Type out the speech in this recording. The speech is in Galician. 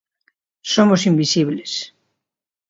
Somo invisibles.